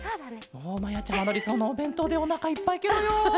もうまやちゃまのりそうのおべんとうでおなかいっぱいケロよ。